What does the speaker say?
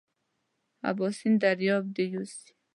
اباسین دریاب دې یوسي.